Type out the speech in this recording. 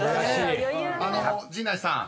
［陣内さん